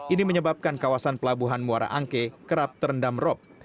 ini menyebabkan kawasan pelabuhan muara angke kerap terendam rop